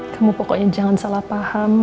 kamu pokoknya jangan salah paham